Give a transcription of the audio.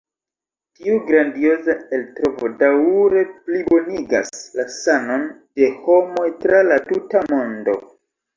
Tiu grandioza eltrovo daŭre plibonigas la sanon de homoj tra la tuta mondo.